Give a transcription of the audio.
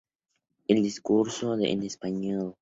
El discurso en español.